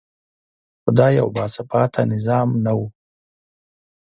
خو دا یو باثباته نظام نه و.